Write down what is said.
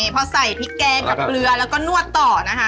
พอใส่พริกแกงกับเกลือแล้วก็นวดต่อนะคะ